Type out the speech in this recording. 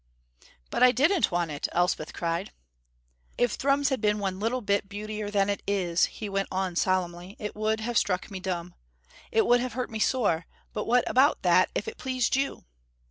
"But I didn't want it!" Elspeth cried. "If Thrums had been one little bit beautier than it is," he went on solemnly, "it would have struck me dumb. It would have hurt me sore, but what about that, if it pleased you!"